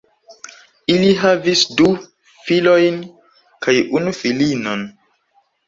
Ili havis du filojn kaj unu filinon.